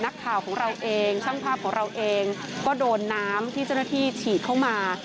นักข่าวของเราเองช่างภาพของเราเองก็โดนน้ำที่เจ้าหน้าที่ฉีดเข้ามา